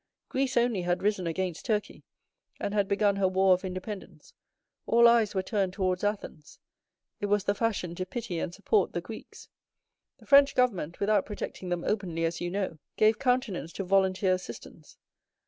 Greece only had risen against Turkey, and had begun her war of independence; all eyes were turned towards Athens—it was the fashion to pity and support the Greeks. The French government, without protecting them openly, as you know, gave countenance to volunteer assistance.